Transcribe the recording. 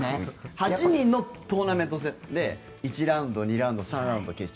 ８人のトーナメントで１ラウンド、２ラウンド３ラウンド、決勝